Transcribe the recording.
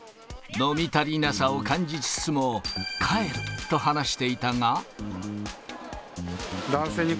飲み足りなさを感じつつも、帰ると話していたが。